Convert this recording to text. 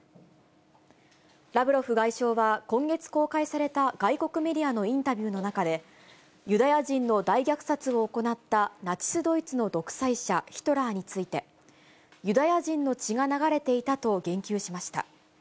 ラブロフ外相は今月公開された外国メディアのインタビューの中で、ユダヤ人の大虐殺を行ったナチス・ドイツの独裁者、ヒトラーについて、ユダヤ人の血が流れていたと言及しました。